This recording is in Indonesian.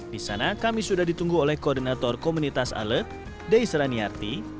di sana kami sudah ditunggu oleh koordinator komunitas alet dei seraniarti